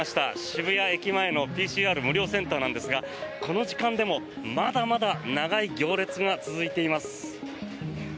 渋谷駅前のＰＣＲ無料センターなんですがこの時間でもまだまだ長い行列が続いています。